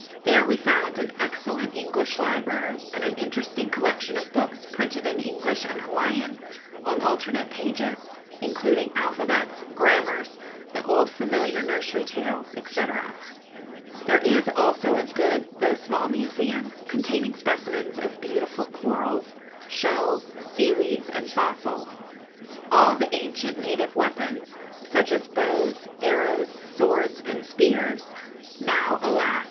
There we found an excellent English library, and an interesting collection of books printed in English and Hawaiian, on alternate pages, including alphabets, grammars, the old familiar nursery tales, &c. There is also a good, though small museum, containing specimens of beautiful corals, shells, seaweeds, and fossils; all the ancient native weapons, such as bows, arrows, swords, and spears now, alas!